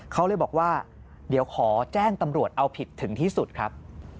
เขาเลยบอกว่าเดี๋ยวขอแจ้งตำรวจเอาผิดถึงที่สุดครับ